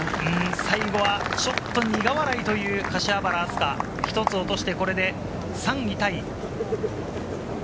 最後はちょっと苦笑いという柏原明日架、１つ落として、これで３位タイ。